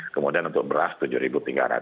kemudian untuk beras rp tujuh tiga ratus